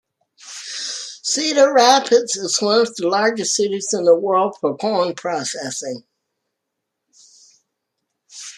Cedar Rapids is one of the largest cities in the world for corn processing.